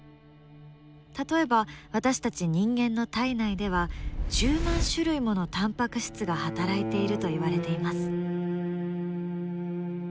例えば私たち人間の体内では１０万種類ものタンパク質が働いていると言われています。